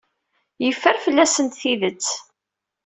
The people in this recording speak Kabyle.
Yeffer fell-asent tidet.